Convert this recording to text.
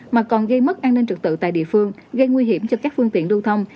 mà còn gây mất an ninh trực tự tại địa phương gây nguy hiểm cho các phương tiện lưu thông